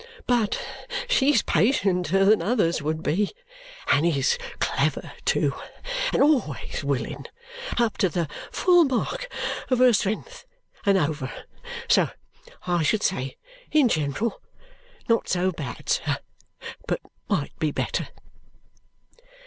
But she's patienter than others would be, and is clever too, and always willing, up to the full mark of her strength and over. So I should say, in general, not so bad, sir, but might be better."